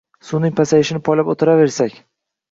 Suvning pasayishini poylab o‘tiraversak.